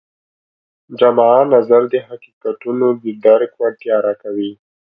جامع نظر د حقیقتونو د درک وړتیا راکوي.